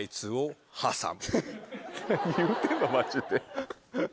何言うてんのマジで。